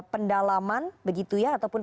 pendalaman begitu ya ataupun